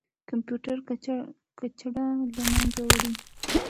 کمپيوټر کچره له منځه وړي.